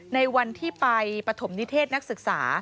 ในวันที่ไปปฐมนิเทศนักศึกษา